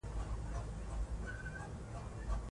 تاریخي آثار دا نقش تاییدوي.